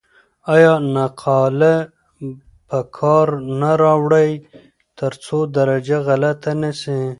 آیا نقاله په کار نه راوړئ ترڅو درجه غلطه نه سی؟